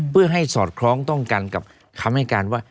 เพื่อให้สอดคล้องต้องกันกับคำให้การว่า